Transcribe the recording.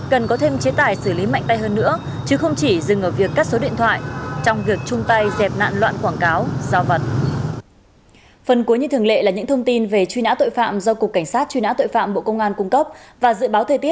cần có thêm chế tài xử lý mạnh tay hơn nữa chứ không chỉ dừng ở việc cắt số điện thoại